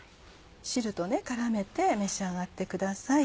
汁と絡めて召し上がってください。